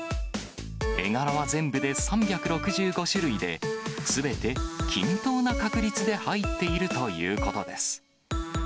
絵柄は全部で３６５種類で、すべて均等な確率で入っているということです。